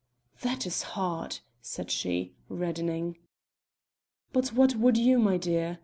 "That is hard!" said she, reddening. "But what would you, my dear?